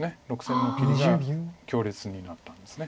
６線の切りが強烈になってます。